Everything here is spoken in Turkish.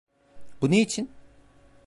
Bu ne için?